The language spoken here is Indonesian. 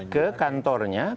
kemudian itu di facet